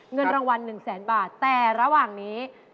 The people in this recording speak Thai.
เงินรางวัล๑แสนบาทแต่ระหว่างนี้